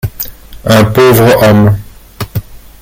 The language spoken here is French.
Un pauvre homme.